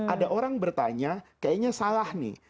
ada orang bertanya kayaknya salah nih